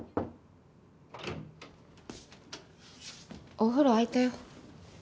・お風呂空いたよ。